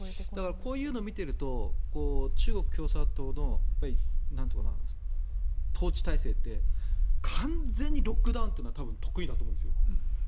こういうのを見ていると中国共産党の統治体制って完全にロックダウンというのは得意だと思うんですよ。